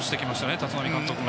立浪監督が。